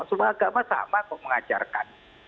semua agama sama kok mengajarkan